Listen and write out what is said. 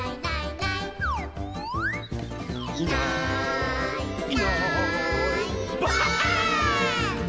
「いないいないばあっ！」